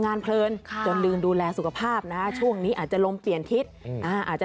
เพลินจนลืมดูแลสุขภาพนะช่วงนี้อาจจะลมเปลี่ยนทิศอาจจะ